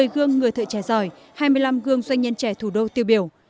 một mươi gương người thợ trẻ giỏi hai mươi năm gương doanh nhân trẻ thủ đô tiêu biểu